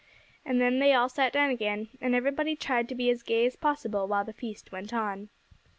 And then they all sat down again, and everybody tried to be as gay as possible while the feast went on.